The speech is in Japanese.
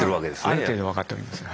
ある程度分かっております